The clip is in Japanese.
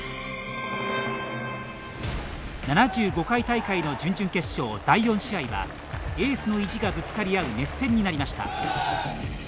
７５回大会の準々決勝第４試合はエースの意地がぶつかり合う熱戦になりました。